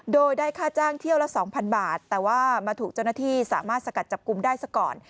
โดยได้ค่าจ้างเที่ยวละ๒๐๐บาทแต่ว่ามาถูกเจ้าหน้าที่สามารถสกัดจับกลุ่มได้ซะก่อน